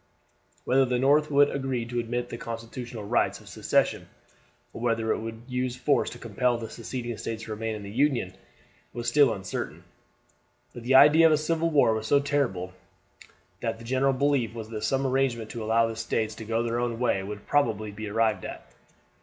Whether the North would agree to admit the constitutional rights of secession, or whether it would use force to compel the Seceding States to remain in the Union, was still uncertain; but the idea of a civil war was so terrible a one that the general belief was that some arrangement to allow the States to go their own way would probably be arrived at.